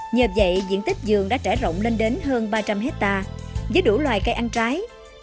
nhờ vậy diện tích giường đã trải rộng lên đến hơn ba trăm linh hectare với đủ loài cây ăn trái